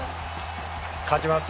勝ちます。